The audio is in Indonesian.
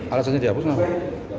alasannya dihapus kenapa